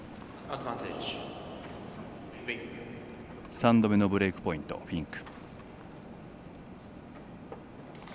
３度目のブレークポイント、フィンク。